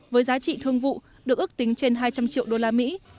với giá trị thương vụ được ước tính trên hai trăm linh triệu đô la mỹ